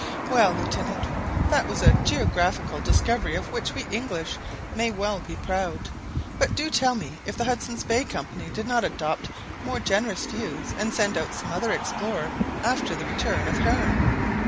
"Well, Lieutenant, that was a geographical discovery of which we English may well be proud. But do tell me if the Hudson's Bay Company did not adopt more generous views, and send out some other explorer after the return of Hearne."